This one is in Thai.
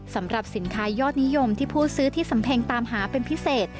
สำหรับสินค้ายอดนิยมที่ผู้ซื้อที่สำเพ็งตามหาเป็นพิเศษ